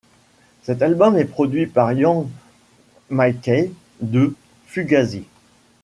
Cet album est produit par Ian MacKaye de Fugazi.